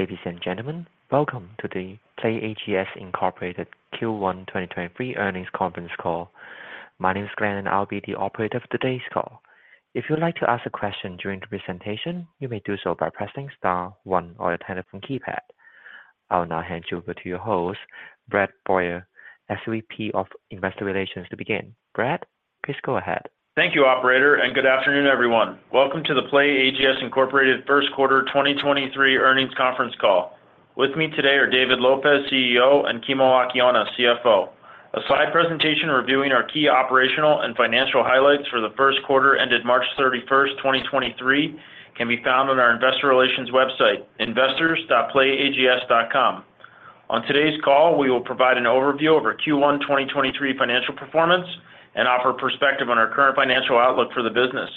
Ladies and gentlemen, welcome to the PlayAGS Incorporated Q1 2023 earnings conference call. My name is Glenn. I'll be the operator for today's call. If you'd like to ask a question during the presentation, you may do so by pressing star one on your telephone keypad. I will now hand you over to your host, Brad Boyer, SVP of Investor Relations, to begin. Brad, please go ahead. Thank you, operator, and good afternoon, everyone. Welcome to the PlayAGS, Incorporated first quarter 2023 earnings conference call. With me today are David Lopez, CEO, and Kimo Akiona, CFO. A slide presentation reviewing our key operational and financial highlights for the first quarter ended March 31, 2023 can be found on our investor relations website, investors.playags.com. On today's call, we will provide an overview of our Q1 2023 financial performance and offer perspective on our current financial outlook for the business.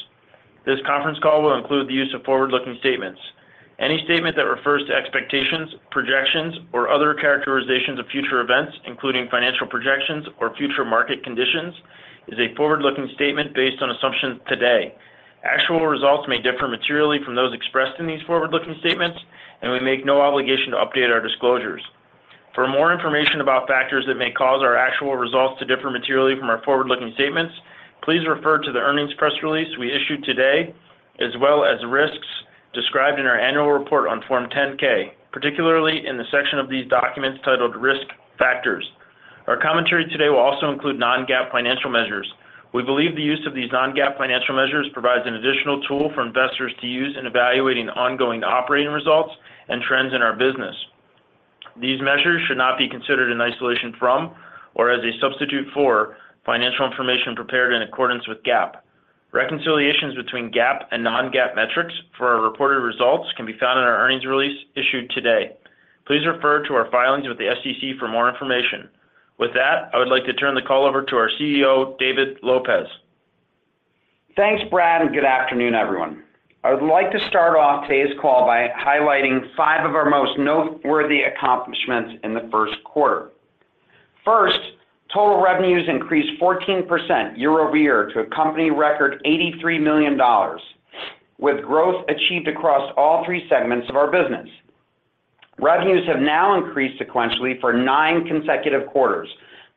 This conference call will include the use of forward-looking statements. Any statement that refers to expectations, projections, or other characterizations of future events, including financial projections or future market conditions, is a forward-looking statement based on assumptions today. Actual results may differ materially from those expressed in these forward-looking statements, and we make no obligation to update our disclosures. For more information about factors that may cause our actual results to differ materially from our forward-looking statements, please refer to the earnings press release we issued today, as well as risks described in our annual report on Form 10-K, particularly in the section of these documents titled Risk Factors. Our commentary today will also include non-GAAP financial measures. We believe the use of these non-GAAP financial measures provides an additional tool for investors to use in evaluating ongoing operating results and trends in our business. These measures should not be considered in isolation from or as a substitute for financial information prepared in accordance with GAAP. Reconciliations between GAAP and non-GAAP metrics for our reported results can be found in our earnings release issued today. Please refer to our filings with the SEC for more information. With that, I would like to turn the call over to our CEO, David Lopez. Thanks, Brad. Good afternoon, everyone. I would like to start off today's call by highlighting five of our most noteworthy accomplishments in the first quarter. First, total revenues increased 14% year-over-year to a company record $83 million, with growth achieved across all three segments of our business. Revenues have now increased sequentially for nine consecutive quarters,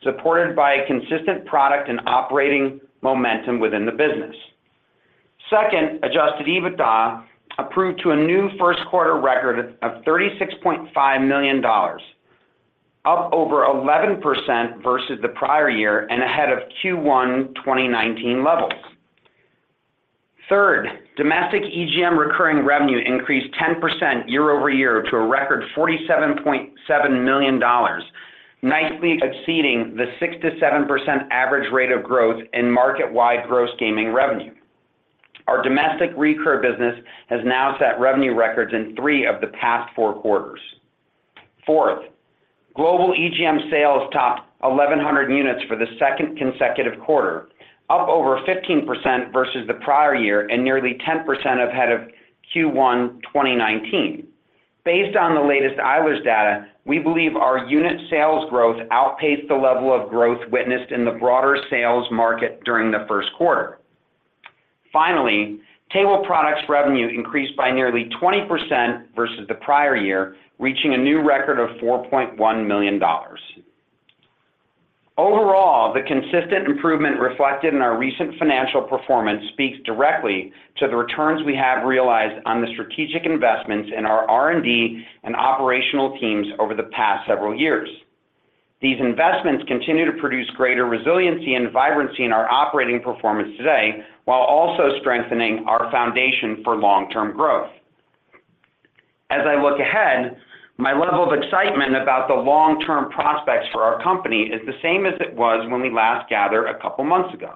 supported by consistent product and operating momentum within the business. Second, adjusted EBITDA approved to a new first quarter record of $36.5 million, up over 11% versus the prior year and ahead of Q1 2019 levels. Third, domestic EGM recurring revenue increased 10% year-over-year to a record $47.7 million, nicely exceeding the 6%-7% average rate of growth in market-wide gross gaming revenue. Our domestic recur business has now set revenue records in three of the past four quarters. Fourth, global EGM sales topped 1,100 units for the second consecutive quarter, up over 15% versus the prior year and nearly 10% ahead of Q1 2019. Based on the latest Eilers data, we believe our unit sales growth outpaced the level of growth witnessed in the broader sales market during the first quarter. Finally, table products revenue increased by nearly 20% versus the prior year, reaching a new record of $4.1 million. Overall, the consistent improvement reflected in our recent financial performance speaks directly to the returns we have realized on the strategic investments in our R&D and operational teams over the past several years. These investments continue to produce greater resiliency and vibrancy in our operating performance today while also strengthening our foundation for long-term growth. As I look ahead, my level of excitement about the long-term prospects for our company is the same as it was when we last gathered a couple months ago.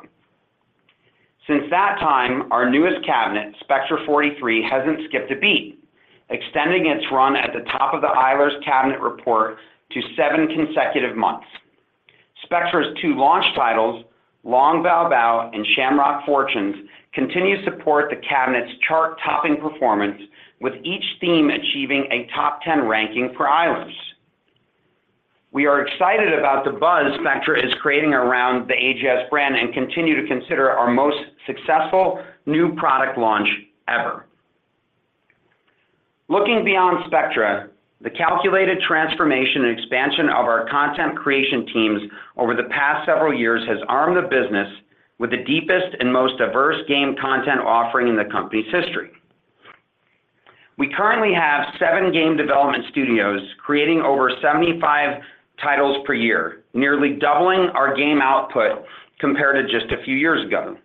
Since that time, our newest cabinet, Spectra 43, hasn't skipped a beat, extending its run at the top of the Eilers cabinet report to seven consecutive months. Spectra's two launch titles, Long Bao Bao and Shamrock Fortunes, continue to support the cabinet's chart-topping performance, with each theme achieving a top 10 ranking for Eilers. We are excited about the buzz Spectra is creating around the AGS brand and continue to consider our most successful new product launch ever. Looking beyond Spectra, the calculated transformation and expansion of our content creation teams over the past several years has armed the business with the deepest and most diverse game content offering in the company's history. We currently have seven game development studios creating over 75 titles per year, nearly doubling our game output compared to just a few years ago.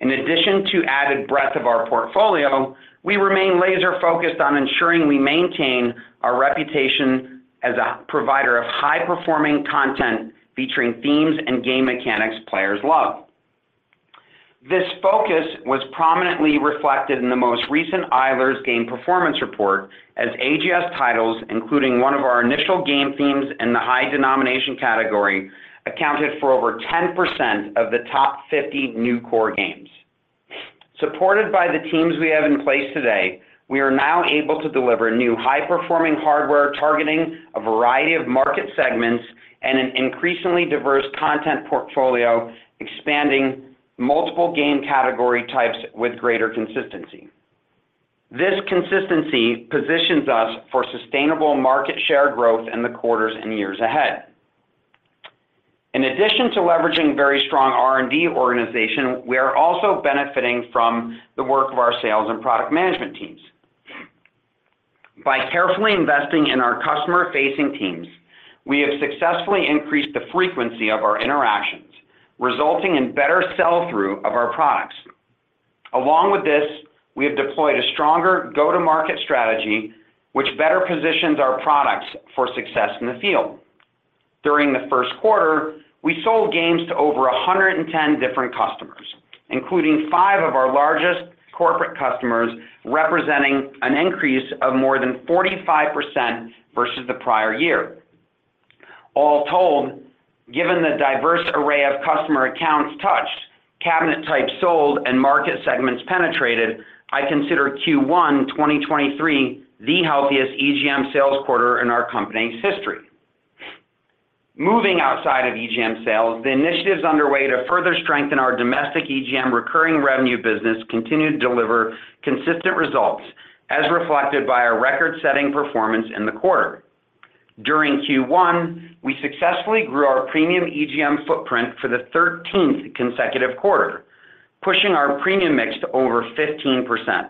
In addition to added breadth of our portfolio, we remain laser-focused on ensuring we maintain our reputation as a provider of high-performing content featuring themes and game mechanics players love. This focus was prominently reflected in the most recent Eilers game performance report as AGS titles, including one of our initial game themes in the high denomination category, accounted for over 10% of the top 50 new core games. Supported by the teams we have in place today, we are now able to deliver new high-performing hardware targeting a variety of market segments and an increasingly diverse content portfolio expanding multiple game category types with greater consistency. This consistency positions us for sustainable market share growth in the quarters and years ahead. In addition to leveraging very strong R&D organization, we are also benefiting from the work of our sales and product management teams. By carefully investing in our customer-facing teams, we have successfully increased the frequency of our interactions, resulting in better sell-through of our products. Along with this, we have deployed a stronger go-to-market strategy which better positions our products for success in the field. During the first quarter, we sold games to over 110 different customers, including five of our largest corporate customers, representing an increase of more than 45% versus the prior year. All told, given the diverse array of customer accounts touched, cabinet types sold, and market segments penetrated, I consider Q1 2023 the healthiest EGM sales quarter in our company's history. Moving outside of EGM sales, the initiatives underway to further strengthen our domestic EGM recurring revenue business continue to deliver consistent results as reflected by our record-setting performance in the quarter. During Q1, we successfully grew our premium EGM footprint for the 13th consecutive quarter, pushing our premium mix to over 15%.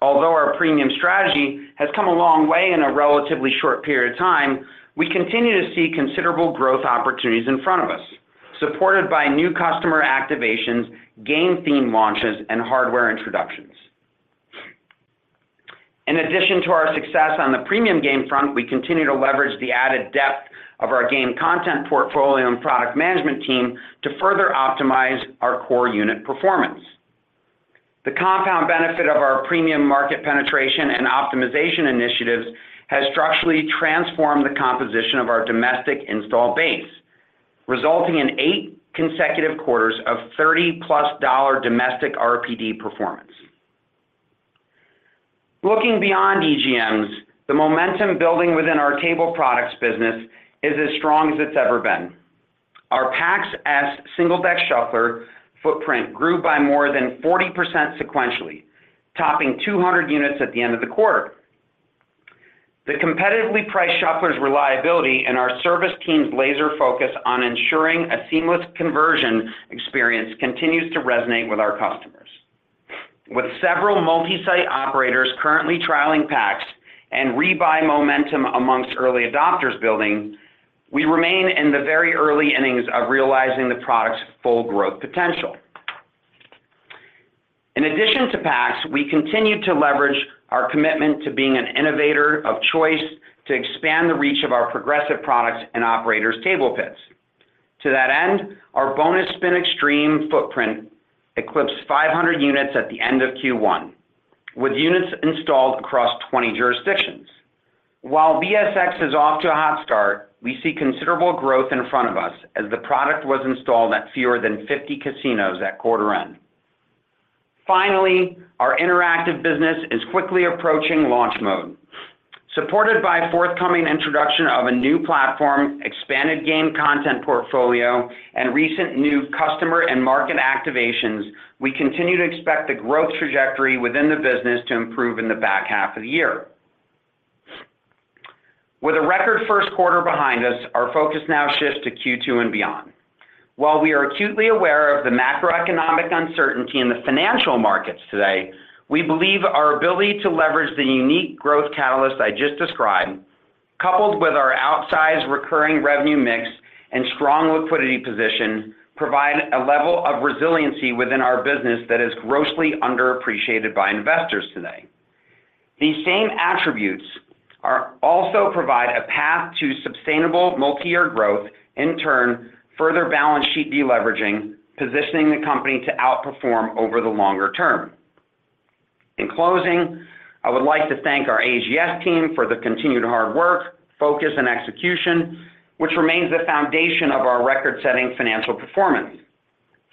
Although our premium strategy has come a long way in a relatively short period of time, we continue to see considerable growth opportunities in front of us, supported by new customer activations, game theme launches, and hardware introductions. In addition to our success on the premium game front, we continue to leverage the added depth of our game content portfolio and product management team to further optimize our core unit performance. The compound benefit of our premium market penetration and optimization initiatives has structurally transformed the composition of our domestic install base, resulting in eight consecutive quarters of $30-plus domestic RPD performance. Looking beyond EGMs, the momentum building within our table products business is as strong as it's ever been. Our Pax S single-deck shuffler footprint grew by more than 40% sequentially, topping 200 units at the end of the quarter. The competitively priced shuffler's reliability and our service team's laser focus on ensuring a seamless conversion experience continues to resonate with our customers. With several multi-site operators currently trialing Pax and rebuy momentum amongst early adopters building, we remain in the very early innings of realizing the product's full growth potential. In addition to Pax S, we continue to leverage our commitment to being an innovator of choice to expand the reach of our progressive products and operators' table pits. To that end, our Bonus Spin Xtreme footprint eclipsed 500 units at the end of Q1, with units installed across 20 jurisdictions. While BSX is off to a hot start, we see considerable growth in front of us as the product was installed at fewer than 50 casinos at quarter end. Finally, our interactive business is quickly approaching launch mode. Supported by forthcoming introduction of a new platform, expanded game content portfolio, and recent new customer and market activations, we continue to expect the growth trajectory within the business to improve in the back half of the year. With a record first quarter behind us, our focus now shifts to Q2 and beyond. While we are acutely aware of the macroeconomic uncertainty in the financial markets today, we believe our ability to leverage the unique growth catalysts I just described, coupled with our outsized recurring revenue mix and strong liquidity position, provide a level of resiliency within our business that is grossly underappreciated by investors today. These same attributes also provide a path to sustainable multi-year growth, in turn, further balance sheet deleveraging, positioning the company to outperform over the longer term. In closing, I would like to thank our AGS team for the continued hard work, focus, and execution, which remains the foundation of our record-setting financial performance.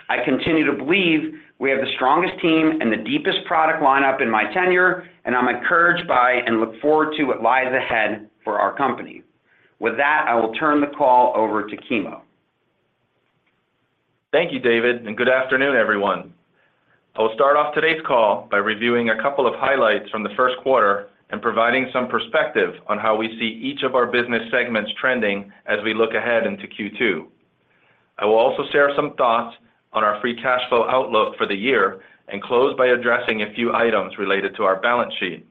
I continue to believe we have the strongest team and the deepest product lineup in my tenure, and I'm encouraged by and look forward to what lies ahead for our company. With that, I will turn the call over to Kimo. Thank you, David. Good afternoon, everyone. I'll start off today's call by reviewing a couple of highlights from the first quarter and providing some perspective on how we see each of our business segments trending as we look ahead into Q2. I will also share some thoughts on our free cash flow outlook for the year and close by addressing a few items related to our balance sheet.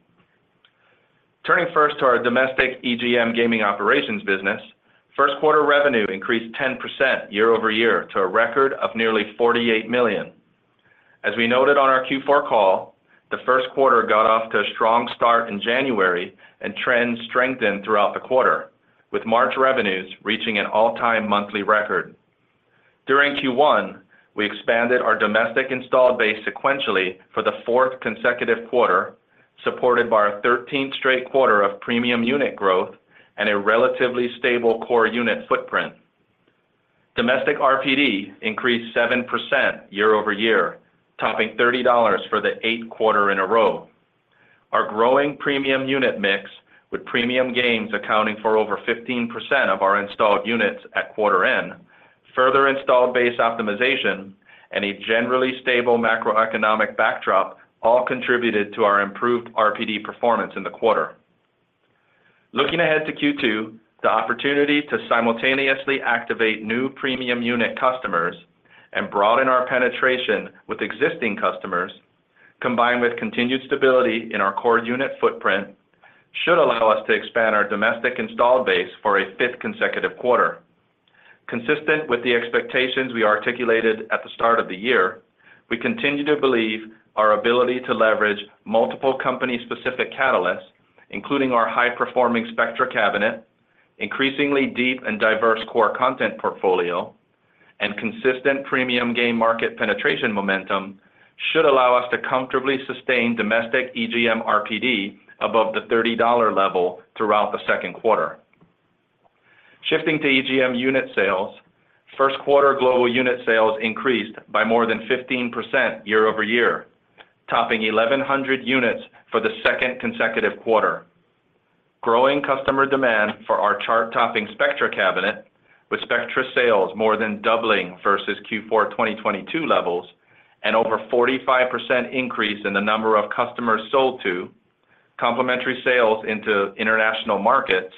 Turning first to our domestic EGM gaming operations business, first quarter revenue increased 10% year-over-year to a record of nearly $48 million. As we noted on our Q4 call, the first quarter got off to a strong start in January and trends strengthened throughout the quarter, with March revenues reaching an all-time monthly record. During Q1, we expanded our domestic installed base sequentially for the fourth consecutive quarter, supported by our 13th straight quarter of premium unit growth and a relatively stable core unit footprint. Domestic RPD increased 7% year-over-year, topping $30 for the eighth quarter in a row. Our growing premium unit mix with premium gains accounting for over 15% of our installed units at quarter end, further installed base optimization, and a generally stable macroeconomic backdrop all contributed to our improved RPD performance in the quarter. Looking ahead to Q2, the opportunity to simultaneously activate new premium unit customers and broaden our penetration with existing customers combined with continued stability in our core unit footprint should allow us to expand our domestic installed base for a fifth consecutive quarter. Consistent with the expectations we articulated at the start of the year, we continue to believe our ability to leverage multiple company specific catalysts, including our high-performing Spectra cabinet, increasingly deep and diverse core content portfolio, and consistent premium game market penetration momentum should allow us to comfortably sustain domestic EGM RPD above the $30 level throughout the second quarter. Shifting to EGM unit sales, first quarter global unit sales increased by more than 15% year-over-year, topping 1,100 units for the second consecutive quarter. Growing customer demand for our chart-topping Spectra cabinet with Spectra sales more than doubling versus Q4 2022 levels and over 45% increase in the number of customers sold to, complementary sales into international markets,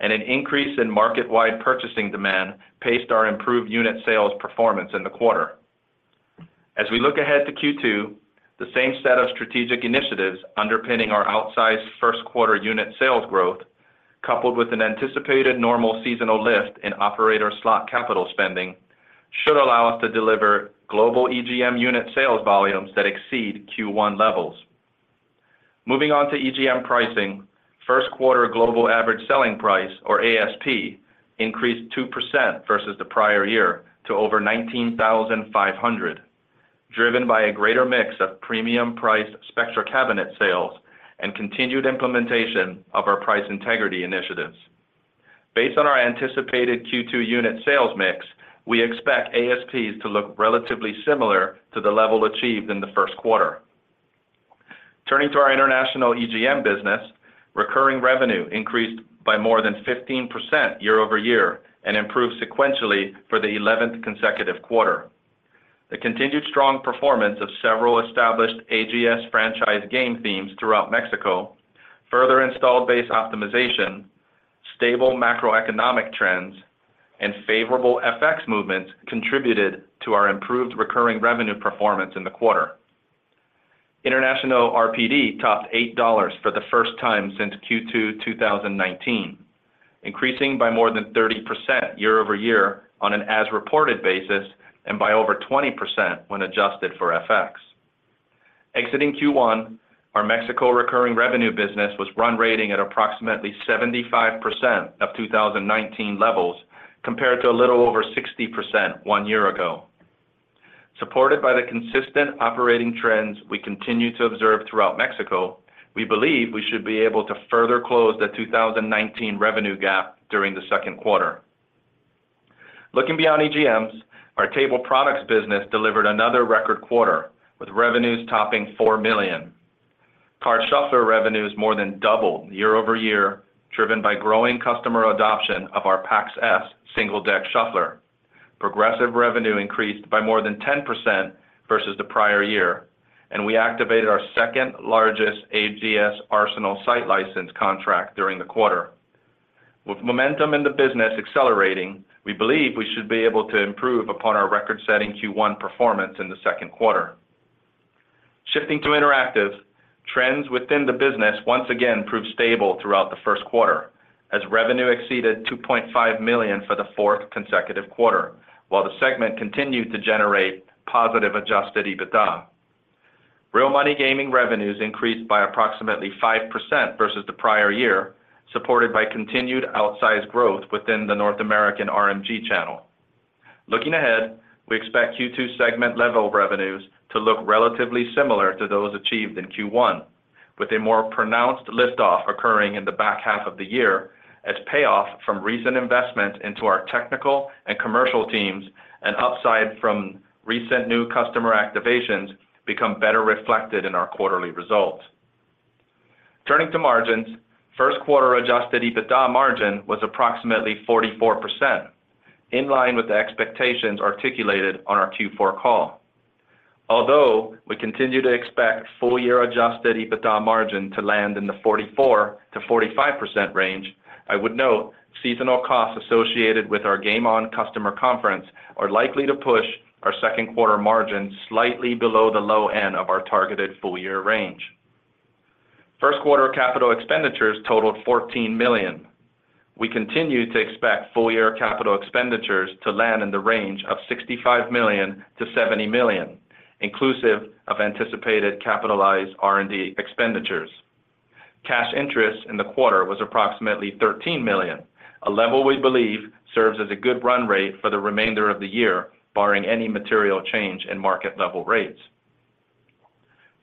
and an increase in market-wide purchasing demand paced our improved unit sales performance in the quarter. As we look ahead to Q2, the same set of strategic initiatives underpinning our outsized first quarter unit sales growth, coupled with an anticipated normal seasonal lift in operator slot capital spending should allow us to deliver global EGM unit sales volumes that exceed Q1 levels. Moving on to EGM pricing, first quarter global average selling price, or ASP, increased 2% versus the prior year to over $19,500, driven by a greater mix of premium priced Spectra cabinet sales and continued implementation of our price integrity initiatives. Based on our anticipated Q2 unit sales mix, we expect ASPs to look relatively similar to the level achieved in the first quarter. Turning to our international EGM business, recurring revenue increased by more than 15% year-over-year and improved sequentially for the eleventh consecutive quarter. The continued strong performance of several established AGS franchise game themes throughout Mexico, further installed base optimization, stable macroeconomic trends, and favorable FX movements contributed to our improved recurring revenue performance in the quarter. International RPD topped $8 for the first time since Q2 2019, increasing by more than 30% year-over-year on an as-reported basis and by over 20% when adjusted for FX. Exiting Q1, our Mexico recurring revenue business was run rating at approximately 75% of 2019 levels compared to a little over 60% one year ago. Supported by the consistent operating trends we continue to observe throughout Mexico, we believe we should be able to further close the 2019 revenue gap during the second quarter. Looking beyond EGMs, our table products business delivered another record quarter with revenues topping $4 million. Card shuffler revenues more than doubled year-over-year, driven by growing customer adoption of our Pax S single-deck shuffler. Progressive revenue increased by more than 10% versus the prior year, and we activated our second-largest AGS Arsenal site license contract during the quarter. With momentum in the business accelerating, we believe we should be able to improve upon our record-setting Q1 performance in the second quarter. Shifting to interactive, trends within the business once again proved stable throughout the first quarter as revenue exceeded $2.5 million for the fourth consecutive quarter, while the segment continued to generate positive adjusted EBITDA. Real money gaming revenues increased by approximately 5% versus the prior year, supported by continued outsized growth within the North American RMG channel. Looking ahead, we expect Q2 segment level revenues to look relatively similar to those achieved in Q1, with a more pronounced lift off occurring in the back half of the year as payoff from recent investment into our technical and commercial teams and upside from recent new customer activations become better reflected in our quarterly results. Turning to margins, first quarter adjusted EBITDA margin was approximately 44%, in line with the expectations articulated on our Q4 call. We continue to expect full year adjusted EBITDA margin to land in the 44%-45% range, I would note seasonal costs associated with our Game On customer conference are likely to push our second quarter margins slightly below the low end of our targeted full-year range. First quarter capital expenditures totaled $14 million. We continue to expect full-year capital expenditures to land in the range of $65 million-$70 million, inclusive of anticipated capitalized R&D expenditures. Cash interest in the quarter was approximately $13 million, a level we believe serves as a good run rate for the remainder of the year, barring any material change in market level rates.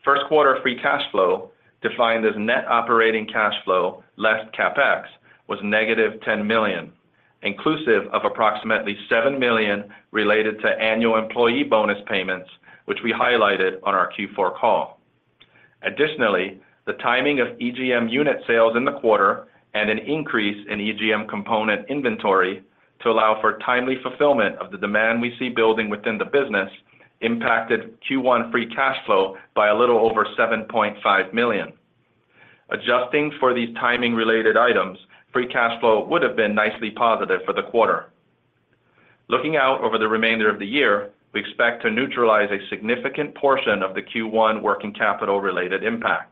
First quarter free cash flow, defined as net operating cash flow less CapEx, was -$10 million. Inclusive of approximately $7 million related to annual employee bonus payments, which we highlighted on our Q4 call. Additionally, the timing of EGM unit sales in the quarter and an increase in EGM component inventory to allow for timely fulfillment of the demand we see building within the business impacted Q1 free cash flow by a little over $7.5 million. Adjusting for these timing related items, free cash flow would have been nicely positive for the quarter. Looking out over the remainder of the year, we expect to neutralize a significant portion of the Q1 working capital related impact.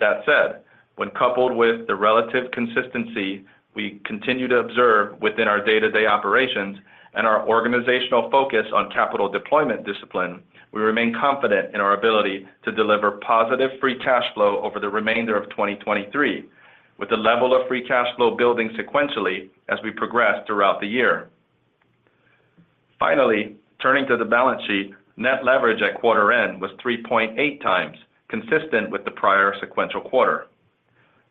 That said, when coupled with the relative consistency we continue to observe within our day-to-day operations and our organizational focus on capital deployment discipline, we remain confident in our ability to deliver positive free cash flow over the remainder of 2023, with the level of free cash flow building sequentially as we progress throughout the year. Turning to the balance sheet, net leverage at quarter end was 3.8 times, consistent with the prior sequential quarter.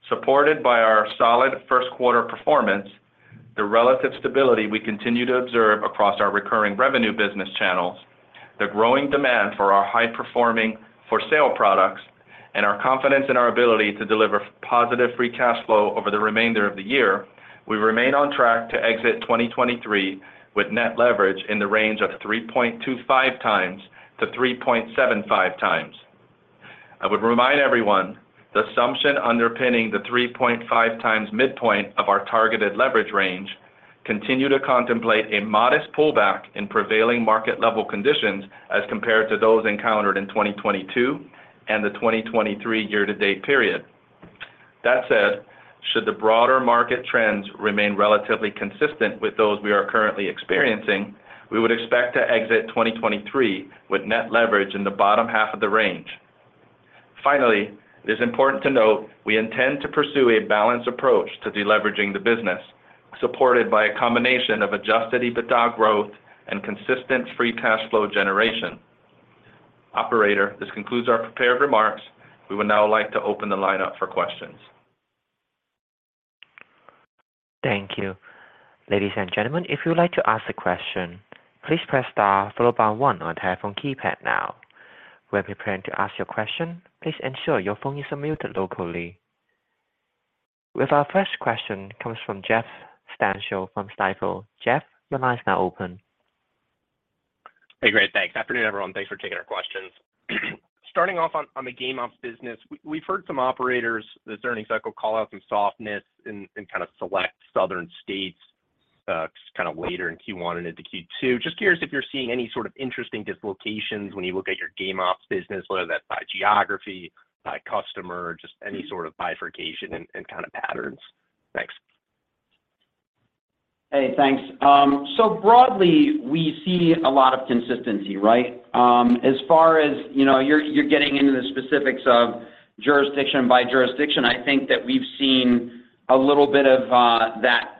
Supported by our solid first quarter performance, the relative stability we continue to observe across our recurring revenue business channels, the growing demand for our high performing for sale products, and our confidence in our ability to deliver positive free cash flow over the remainder of the year, we remain on track to exit 2023 with net leverage in the range of 3.25x-3.75x. I would remind everyone the assumption underpinning the 3.5x midpoint of our targeted leverage range continue to contemplate a modest pullback in prevailing market level conditions as compared to those encountered in 2022 and the 2023 year-to-date period. That said, should the broader market trends remain relatively consistent with those we are currently experiencing, we would expect to exit 2023 with net leverage in the bottom half of the range. Finally, it is important to note we intend to pursue a balanced approach to deleveraging the business, supported by a combination of adjusted EBITDA growth and consistent free cash flow generation. Operator, this concludes our prepared remarks. We would now like to open the line up for questions. Thank you. Ladies and gentlemen, if you'd like to ask a question, please press star followed by one on telephone keypad now. When preparing to ask your question, please ensure your phone is on muted locally. With our first question comes from Jeff Stantial from Stifel. Jeff, your line is now open. Hey, great. Thanks. Afternoon, everyone. Thanks for taking our questions. Starting off on the game ops business. We've heard some operators this earnings cycle call out some softness in kind of select southern states, kind of later in Q1 and into Q2. Just curious if you're seeing any sort of interesting dislocations when you look at your game ops business, whether that's by geography, by customer, or just any sort of bifurcation and kind of patterns. Thanks. Hey, thanks. Broadly, we see a lot of consistency, right? As far as, you know, you're getting into the specifics of jurisdiction by jurisdiction. I think that we've seen a little bit of that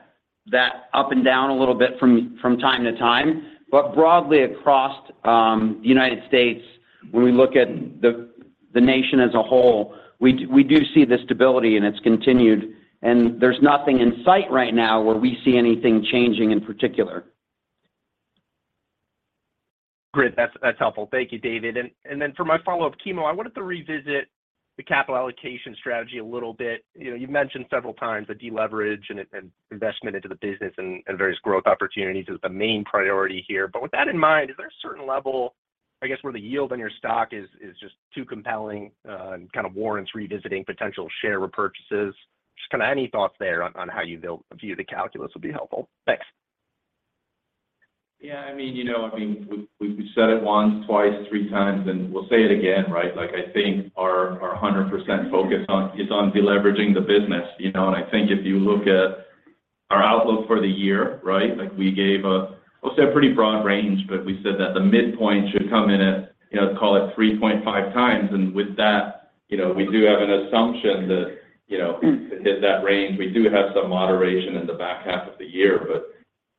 up and down a little bit from time to time. Broadly across the United States, when we look at the nation as a whole, we do see the stability and it's continued and there's nothing in sight right now where we see anything changing in particular. Great. That's helpful. Then for my follow-up, Kimo, I wanted to revisit the capital allocation strategy a little bit. You know, you've mentioned several times the deleverage and investment into the business and various growth opportunities is the main priority here. With that in mind, is there a certain level, I guess, where the yield on your stock is just too compelling, and kind of warrants revisiting potential share repurchases? Just kinda any thoughts there on how you view the calculus would be helpful. Thanks. I mean, you know, I mean, we've said it once, twice, three times, and we'll say it again, right? Like, I think our 100% focus on is on deleveraging the business, you know? I think if you look at our outlook for the year, right? Like we gave a, I will say a pretty broad range, but we said that the midpoint should come in at, you know, call it 3.5x. With that, you know, we do have an assumption that, you know, to hit that range, we do have some moderation in the back half of the year.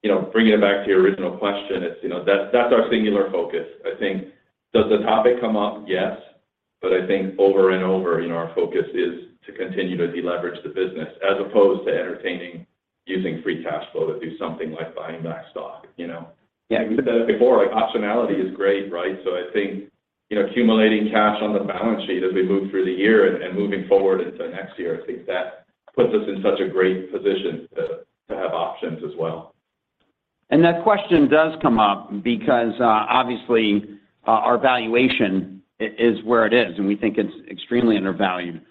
You know, bringing it back to your original question, it's, you know, that's our singular focus. I think, does the topic come up? Yes. I think over and over, you know, our focus is to continue to deleverage the business as opposed to entertaining using free cash flow to do something like buying back stock, you know? Yeah. We said it before, like, optionality is great, right? I think, you know, accumulating cash on the balance sheet as we move through the year and moving forward into next year, I think that puts us in such a great position to have options as well. That question does come up because, obviously our valuation is where it is, and we think it's extremely undervalued.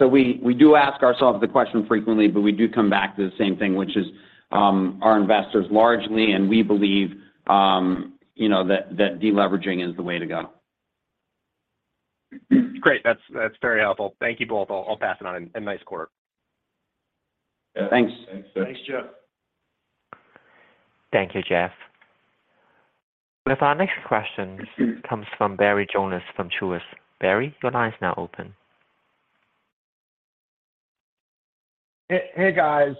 We do ask ourselves the question frequently, but we do come back to the same thing, which is, our investors largely, and we believe, you know, that deleveraging is the way to go. Great. That's very helpful. Thank you both. I'll pass it on. Nice quarter. Yeah. Thanks. Thanks. Jeff. Thank you, Jeff. With our next question comes from Barry Jonas from Truist. Barry, your line is now open. Hey guys.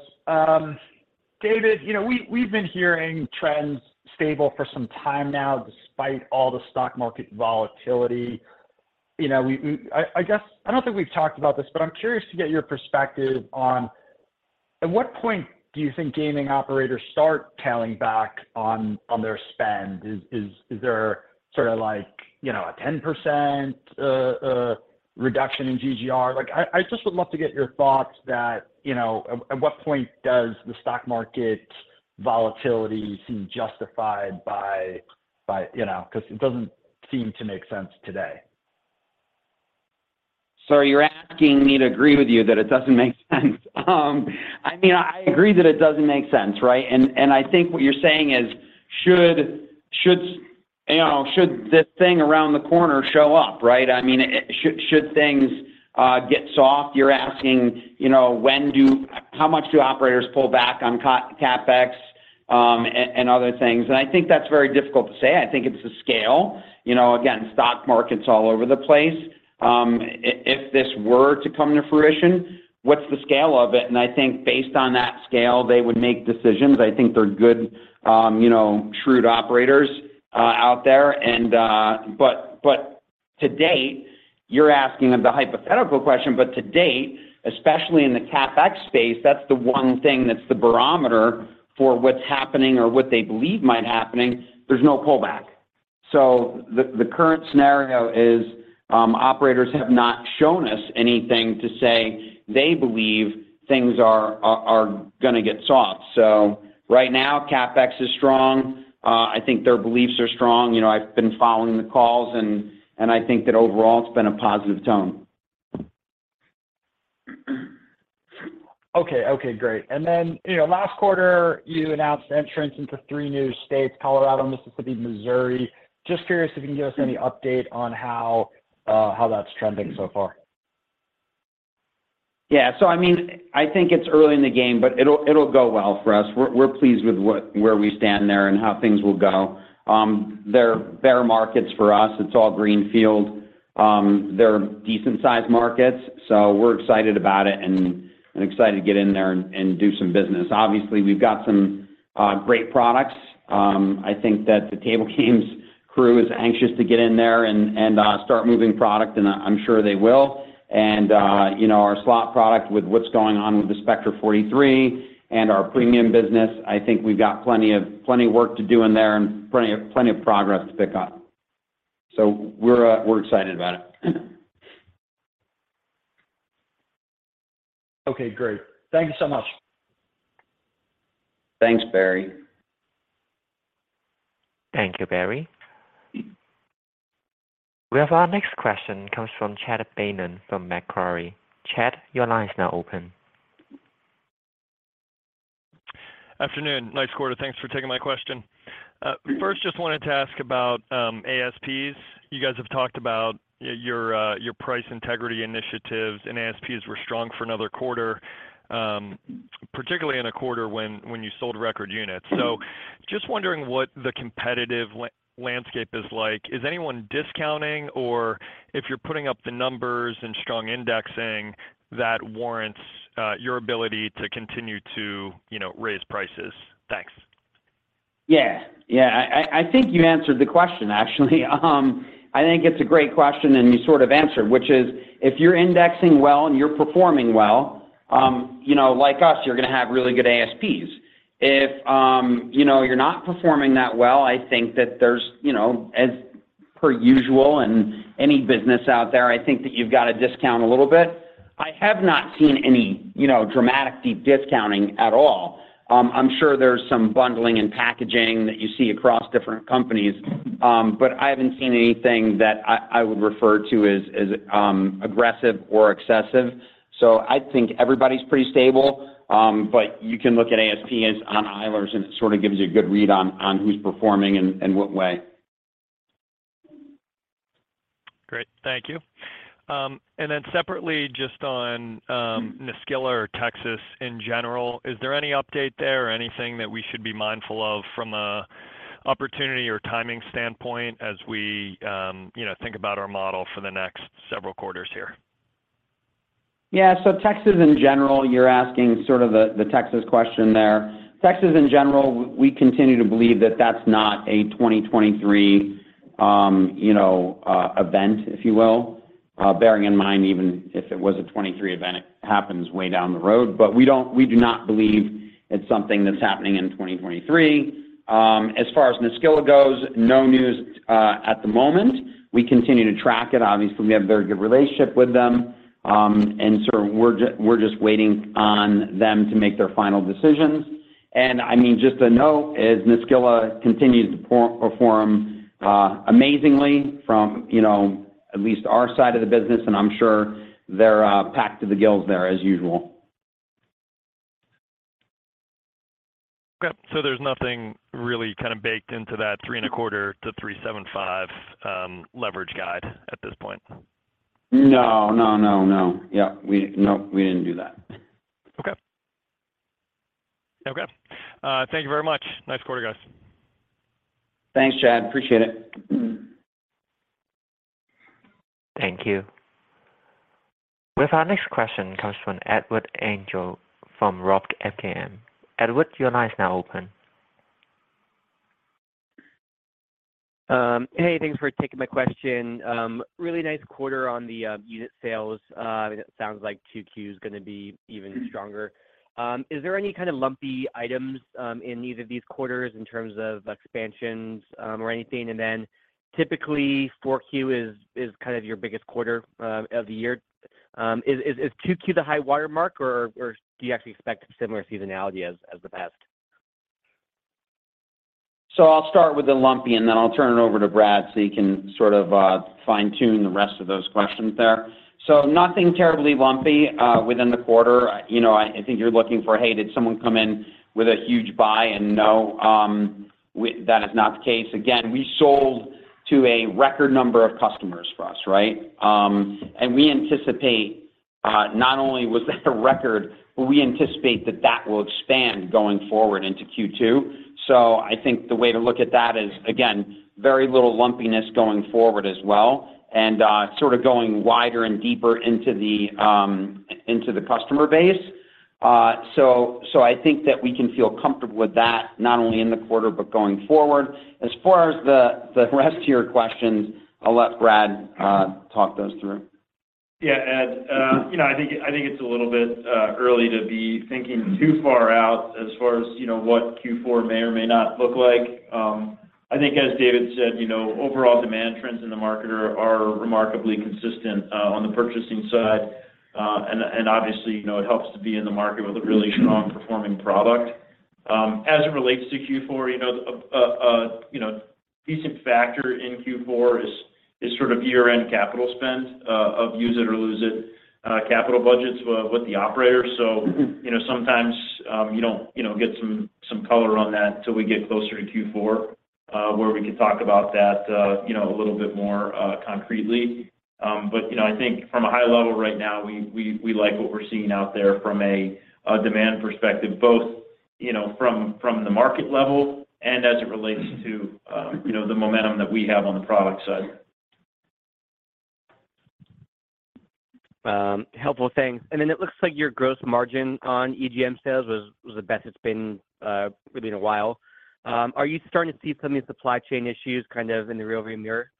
David, you know, we've been hearing trends stable for some time now despite all the stock market volatility. You know, I guess, I don't think we've talked about this, but I'm curious to get your perspective on at what point do you think gaming operators start tailing back on their spend? Is there sort of like, you know, a 10% reduction in GGR? I just would love to get your thoughts that, you know, at what point does the stock market volatility seem justified by, you know, 'cause it doesn't seem to make sense today. You're asking me to agree with you that it doesn't make sense. I mean, I agree that it doesn't make sense, right? I think what you're saying is, should, you know, should the thing around the corner show up, right? I mean, should things get soft? You're asking, you know, how much do operators pull back on CapEx and other things. I think that's very difficult to say. I think it's a scale. You know, again, stock market's all over the place. If this were to come to fruition, what's the scale of it? I think based on that scale, they would make decisions. I think they're good, you know, shrewd operators out there. To date, you're asking of the hypothetical question. To date, especially in the CapEx space, that's the one thing that's the barometer for what's happening or what they believe might happening. There's no pullback. The current scenario is, operators have not shown us anything to say they believe things are gonna get soft. Right now, CapEx is strong. I think their beliefs are strong. You know, I've been following the calls and I think that overall it's been a positive tone. Okay. Okay, great. Then, you know, last quarter you announced entrance into three new states, Colorado, Mississippi, Missouri. Just curious if you can give us any update on how that's trending so far? Yeah. I mean, I think it's early in the game, but it'll go well for us. We're, we're pleased with where we stand there and how things will go. They're better markets for us. It's all greenfield. They're decent sized markets, we're excited about it and excited to get in there and do some business. Obviously, we've got some, great products. I think that the table games crew is anxious to get in there and, start moving product, I'm sure they will. You know, our slot product with what's going on with the Spectra UR43 and our premium business, I think we've got plenty of, plenty of work to do in there and plenty of, plenty of progress to pick up. We're, we're excited about it. Okay, great. Thank you so much. Thanks, Barry. Thank you, Barry. We have our next question comes from Chad Beynon from Macquarie. Chad, your line is now open. Afternoon. Nice quarter. Thanks for taking my question. First, just wanted to ask about ASPs. You guys have talked about your price integrity initiatives, and ASPs were strong for another quarter, particularly in a quarter when you sold record units. Just wondering what the competitive landscape is like. Is anyone discounting? If you're putting up the numbers and strong indexing, that warrants your ability to continue to, you know, raise prices. Thanks. Yeah. Yeah. I think you answered the question, actually. I think it's a great question, and you sort of answered, which is if you're indexing well and you're performing well, you know, like us, you're gonna have really good ASPs. If, you know, you're not performing that well, I think that there's, you know, as per usual in any business out there, I think that you've got to discount a little bit. I have not seen any, you know, dramatic deep discounting at all. I'm sure there's some bundling and packaging that you see across different companies. I haven't seen anything that I would refer to as aggressive or excessive. I think everybody's pretty stable. You can look at ASP as on island, and it sort of gives you a good read on who's performing and what way. Great. Thank you. Separately, just on Nisqually or Texas in general, is there any update there or anything that we should be mindful of from an opportunity or timing standpoint as we think about our model for the next several quarters here? Texas in general, you're asking sort of the Texas question there. Texas in general, we continue to believe that that's not a 2023, you know, event, if you will. Bearing in mind, even if it was a 2023 event, it happens way down the road. We do not believe it's something that's happening in 2023. As far as Nisqually goes, no news at the moment. We continue to track it. Obviously, we have a very good relationship with them. We're just waiting on them to make their final decisions. I mean, just a note is Nisqually continues to perform amazingly from, you know, at least our side of the business, and I'm sure they're packed to the gills there as usual. Okay. There's nothing really kind of baked into that 3.25-3.75 leverage guide at this point? No, no, no. Yeah, no, we didn't do that. Okay. Okay. Thank you very much. Nice quarter, guys. Thanks, Chad. Appreciate it. Thank you. With our next question comes from Edward Engel from ROTH Capital Partners. Edward, your line is now open. Hey, thanks for taking my question. Really nice quarter on the unit sales. It sounds like 2Q is gonna be even stronger. Is there any kind of lumpy items in either of these quarters in terms of expansions or anything? Then typically 4Q is kind of your biggest quarter of the year. Is 2Q the high watermark or do you actually expect similar seasonality as the past? I'll start with the lumpy, and then I'll turn it over to Brad so he can sort of fine-tune the rest of those questions there. Nothing terribly lumpy within the quarter. You know, I think you're looking for, hey, did someone come in with a huge buy? No, that is not the case. Again, we sold to a record number of customers for us, right? We anticipate not only was that a record, but we anticipate that that will expand going forward into Q2. I think the way to look at that is, again, very little lumpiness going forward as well, and sort of going wider and deeper into the customer base. I think that we can feel comfortable with that, not only in the quarter, but going forward. As far as the rest of your questions, I'll let Brad talk those through. Ye`ah, Ed, you know, I think it's a little bit early to be thinking too far out as far as, you know, what Q4 may or may not look like. I think as David said, you know, overall demand trends in the market are remarkably consistent on the purchasing side. Obviously, you know, it helps to be in the market with a really strong performing product. As it relates to Q4, you know, a decent factor in Q4 is sort of year-end capital spend of use it or lose it capital budgets with the operators. You know, sometimes, you don't, you know, get some color on that till we get closer to Q4, where we can talk about that, you know, a little bit more, concretely. you know, I think from a high level right now, we like what we're seeing out there from a demand perspective, both, you know, from the market level and as it relates to, you know, the momentum that we have on the product side. Helpful. Thanks. It looks like your gross margin on EGM sales was the best it's been, maybe in a while. Are you starting to see some of these supply chain issues kind of in the rearview mirror?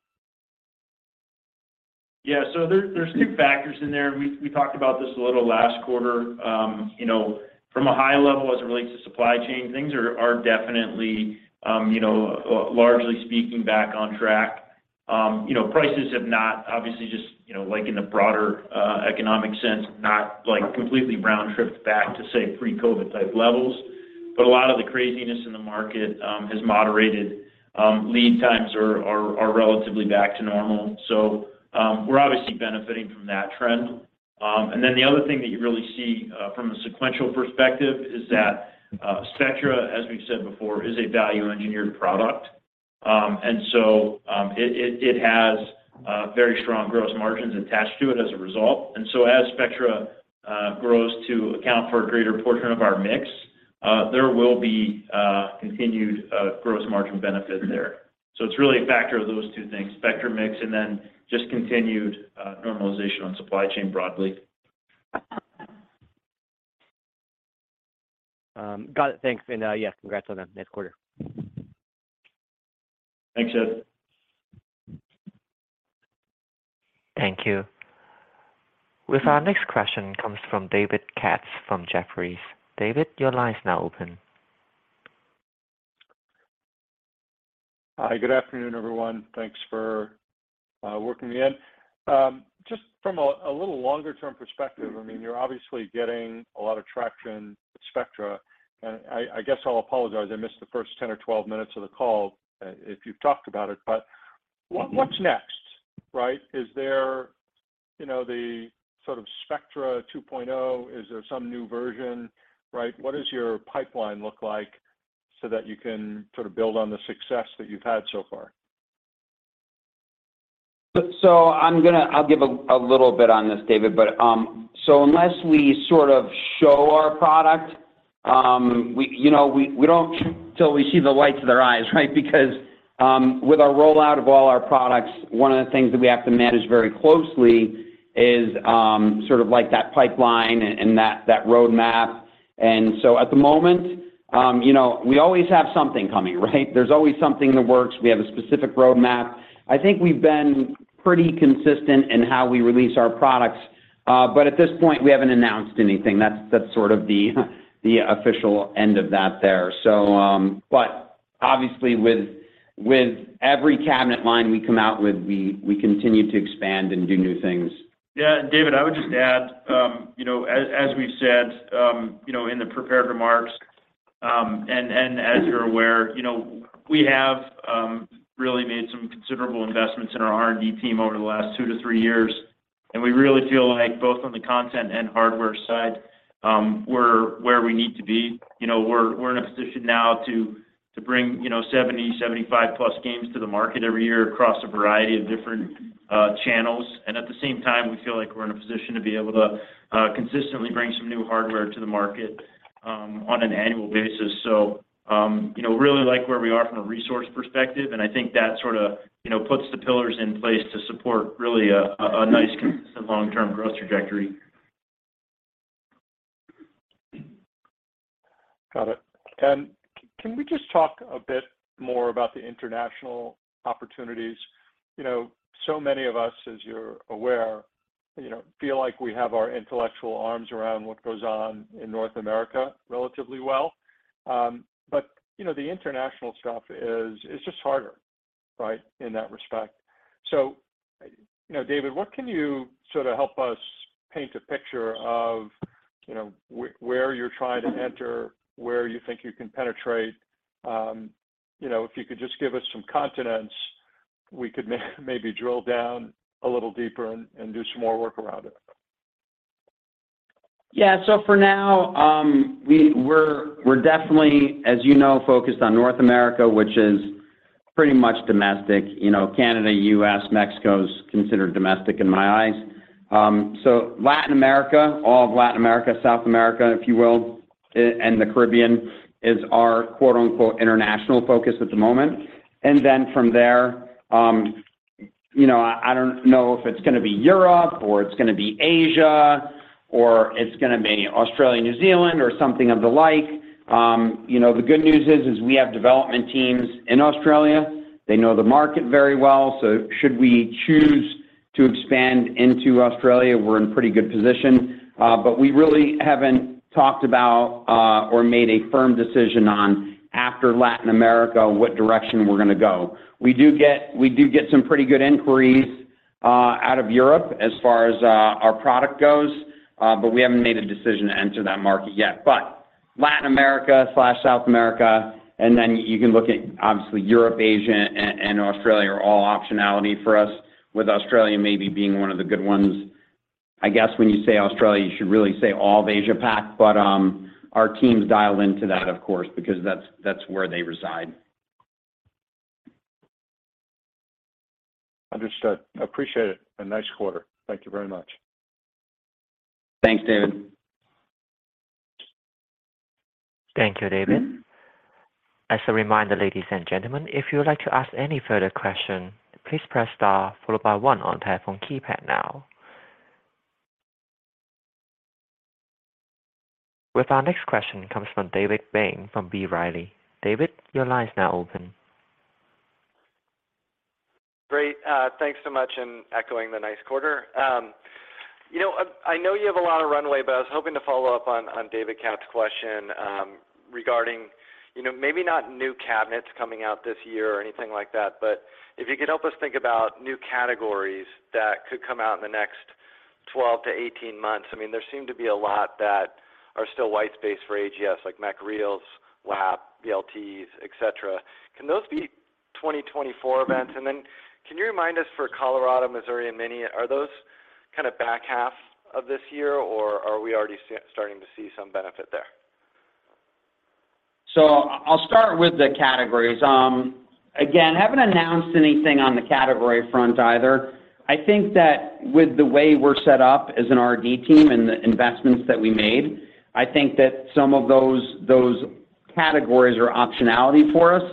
There's two factors in there. We talked about this a little last quarter. You know, from a high level as it relates to supply chain, things are definitely, you know, largely speaking back on track. You know, prices have not obviously just, you know, like in the broader economic sense, not like completely round tripped back to say pre-COVID type levels. A lot of the craziness in the market has moderated. Lead times are relatively back to normal. We're obviously benefiting from that trend. The other thing that you really see from a sequential perspective is that Spectra, as we've said before, is a value engineered product. It has very strong gross margins attached to it as a result. As Spectra grows to account for a greater portion of our mix, there will be continued gross margin benefit there. It's really a factor of those two things, Spectra mix, and then just continued normalization on supply chain broadly. Got it. Thanks. Yeah, congrats on the next quarter. Thanks, Ed. Thank you. With our next question comes from David Katz from Jefferies. David, your line is now open. Hi, good afternoon, everyone. Thanks for working me in. Just from a little longer term perspective, I mean, you're obviously getting a lot of traction with Spectra. I guess I'll apologize, I missed the first 10 or 12 minutes of the call, if you've talked about it. What's next, right? Is there, you know, the sort of Spectra 2.0? Is there some new version, right? What does your pipeline look like so that you can sort of build on the success that you've had so far? I'll give a little bit on this, David. Unless we sort of show our product, we, you know, we don't till we see the lights of their eyes, right? Because with our rollout of all our products, one of the things that we have to manage very closely is sort of like that pipeline and that roadmap. At the moment, you know, we always have something coming, right? There's always something in the works. We have a specific roadmap. I think we've been pretty consistent in how we release our products. But at this point, we haven't announced anything. That's sort of the official end of that there. But obviously with every cabinet line we come out with, we continue to expand and do new things. David, I would just add, you know, as we've said, you know, in the prepared remarks, and as you're aware, you know, we have really made some considerable investments in our R&D team over the last two to three years, and we really feel like both on the content and hardware side, we're where we need to be. You know, we're in a position now to bring, you know, 70, 75+ games to the market every year across a variety of different channels. At the same time, we feel like we're in a position to be able to consistently bring some new hardware to the market on an annual basis. You know, really like where we are from a resource perspective, and I think that sort of, you know, puts the pillars in place to support really a nice consistent long-term growth trajectory. Got it. Can we just talk a bit more about the international opportunities? You know, so many of us, as you're aware, you know, feel like we have our intellectual arms around what goes on in North America relatively well. You know, the international stuff is just harder, right, in that respect. You know, David, what can you sort of help us paint a picture of, you know, where you're trying to enter, where you think you can penetrate? You know, if you could just give us some continents, we could maybe drill down a little deeper and do some more work around it. For now, we're definitely, as you know, focused on North America, which is pretty much domestic. You know, Canada, U.S., Mexico is considered domestic in my eyes. Latin America, all of Latin America, South America, if you will, and the Caribbean is our "international focus" at the moment. From there, you know, I don't know if it's gonna be Europe or it's gonna be Asia or it's gonna be Australia, New Zealand or something of the like. You know, the good news is we have development teams in Australia. They know the market very well. Should we choose to expand into Australia, we're in pretty good position. But we really haven't talked about or made a firm decision on after Latin America, what direction we're gonna go. We do get some pretty good inquiries out of Europe as far as our product goes. We haven't made a decision to enter that market yet. Latin America/South America, and then you can look at obviously Europe, Asia, and Australia are all optionality for us, with Australia maybe being one of the good ones. I guess when you say Australia, you should really say all of Asia Pac. Our teams dial into that, of course, because that's where they reside. Understood. Appreciate it. A nice quarter. Thank you very much. Thanks, David. Thank you, David. As a reminder, ladies and gentlemen, if you would like to ask any further question, please press star followed by one on telephone keypad now. With our next question comes from David Bain from B. Riley. David, your line is now open. Great. Thanks so much and echoing the nice quarter. You know, I know you have a lot of runway, but I was hoping to follow up on David Katz's question, regarding, you know, maybe not new cabinets coming out this year or anything like that, but if you could help us think about new categories that could come out in the next 12-18 months. I mean, there seem to be a lot that are still white space for AGS, like Mech Reels, lab, BLTs, et cetera. Can those be 2024 events? Then can you remind us for Colorado, Missouri, and Minnesota, are those kind of back half of this year, or are we already starting to see some benefit there? I'll start with the categories. again, haven't announced anything on the category front either. I think that with the way we're set up as an R&D team and the investments that we made, I think that some of those categories are optionality for us.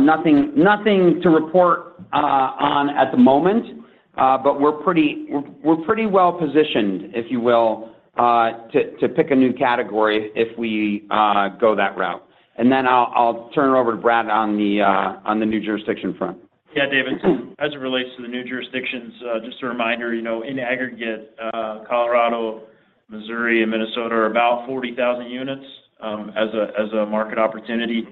nothing to report on at the moment, but we're pretty well-positioned, if you will, to pick a new category if we go that route. I'll turn it over to Brad on the on the new jurisdiction front. Yeah, David. As it relates to the new jurisdictions, just a reminder, you know, in aggregate, Colorado, Missouri, and Minnesota are about 40,000 units as a market opportunity.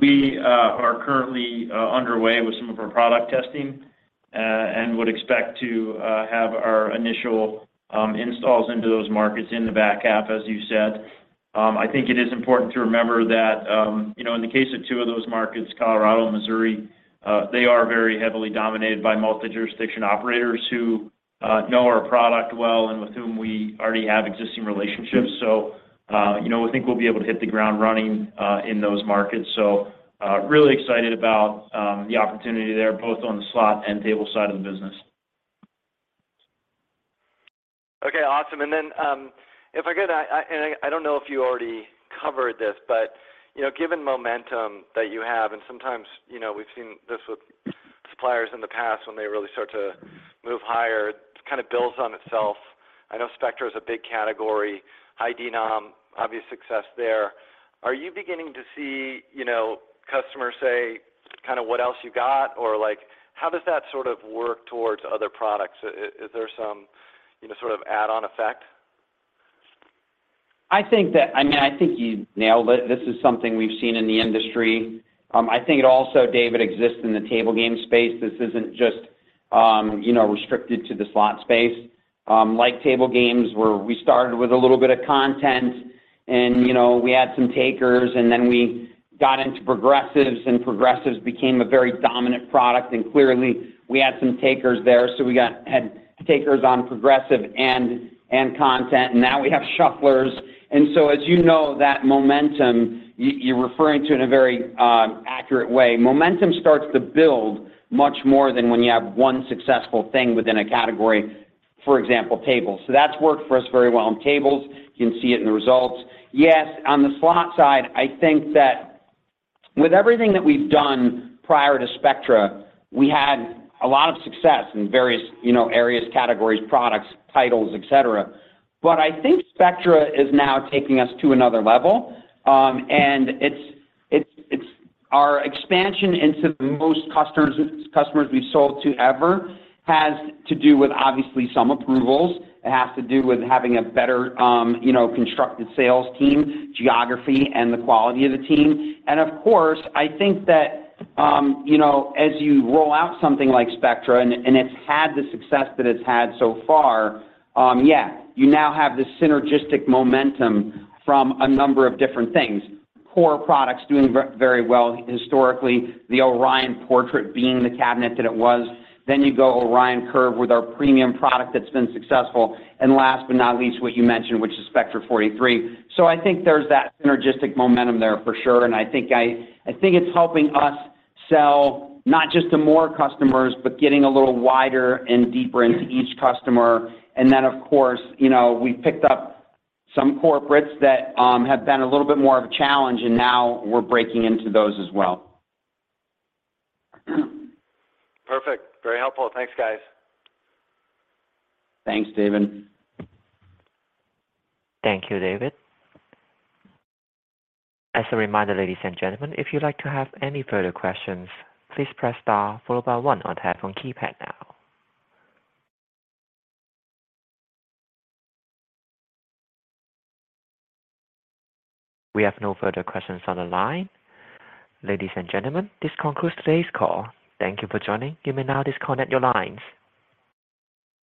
We are currently underway with some of our product testing, and would expect to have our initial installs into those markets in the back half, as you said. I think it is important to remember that, you know, in the case of two of those markets, Colorado and Missouri, they are very heavily dominated by multi-jurisdiction operators who know our product well and with whom we already have existing relationships. You know, we think we'll be able to hit the ground running in those markets. Really excited about the opportunity there, both on the slot and table side of the business. Okay, awesome. If I could, I don't know if you already covered this, you know, given momentum that you have, sometimes, you know, we've seen this with suppliers in the past when they really start to move higher, it kind of builds on itself. I know Spectra is a big category, high denom, obvious success there. Are you beginning to see, you know, customers say kinda, "What else you got?" Or like, how does that sort of work towards other products? Is there some, you know, sort of add-on effect? I mean, I think you nailed it. This is something we've seen in the industry. I think it also, David, exists in the table game space. This isn't just, you know, restricted to the slot space. Like table games where we started with a little bit of content and, you know, we had some takers, and then we got into progressives, and progressives became a very dominant product, and clearly we had some takers there. We had takers on progressive and content, and now we have shufflers. As you know, that momentum you're referring to in a very accurate way, momentum starts to build much more than when you have one successful thing within a category, for example, tables. That's worked for us very well on tables. You can see it in the results. Yes, on the slot side, I think that with everything that we've done prior to Spectra, we had a lot of success in various, you know, areas, categories, products, titles, et cetera. But I think Spectra is now taking us to another level, and it's, it's our expansion into the most customers we've sold to ever has to do with obviously some approvals. It has to do with having a better, you know, constructed sales team, geography, and the quality of the team. And of course, I think that, you know, as you roll out something like Spectra and it's had the success that it's had so far, yeah, you now have this synergistic momentum from a number of different things. Core products doing very well historically. The Orion Portrait being the cabinet that it was. You go Orion Curve with our premium product that's been successful. Last but not least, what you mentioned, which is Spectra 43. I think there's that synergistic momentum there for sure. I think it's helping us sell not just to more customers, but getting a little wider and deeper into each customer. Of course, you know, we picked up some corporates that have been a little bit more of a challenge, and now we're breaking into those as well. Perfect. Very helpful. Thanks, guys. Thanks, David. Thank you, David. As a reminder, ladies and gentlemen, if you'd like to have any further questions, please press star followed by one on telephone keypad now. We have no further questions on the line. Ladies and gentlemen, this concludes today's call. Thank you for joining. You may now disconnect your lines.